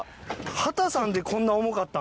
ハタさんでこんな重かったん？